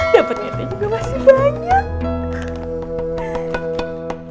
dapat gede juga masih banyak